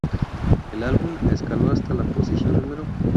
El álbum, escaló hasta la posición No.